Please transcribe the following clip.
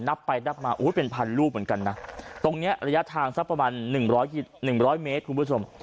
นับไปนับมาเป็นพันลูกเหมือนกันนะตรงนี้ระยะทางสักประมาณ๑๐๐๑๐๐เมตรคุณผู้ชม